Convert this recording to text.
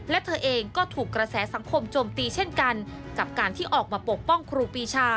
และเธอเองก็ถูกกระแสสังคมโจมตีเช่นกันกับการที่ออกมาปกป้องครูปีชา